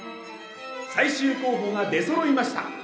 最終候補が出そろいました。